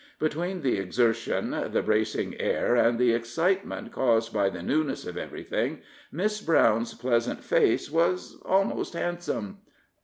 Between the exertion, the bracing air, and the excitement caused by the newness of everything, Miss Brown's pleasant face was almost handsome.